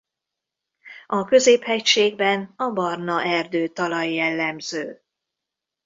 A középhegységben a barna erdőtalaj jellemző.